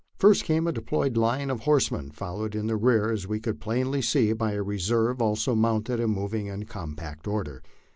First came a de ployed line of horsemen, followed in rear, as we could plainly see, by a reserve, also mounted and moving in compact order.